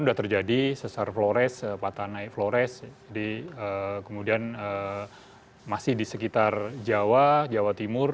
sudah terjadi sesar flores patah naik flores kemudian masih di sekitar jawa jawa timur